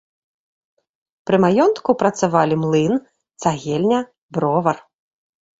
Пры маёнтку працавалі млын, цагельня, бровар.